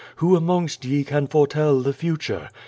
Who amongst ye can foretell the future?